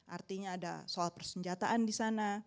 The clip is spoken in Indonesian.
artinya ada soal persenjataan di sana